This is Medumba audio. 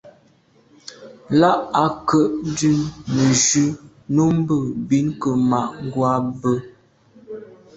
Là à ke’ dùm nejù nummbe bin ke’ ma’ ngwa bwe.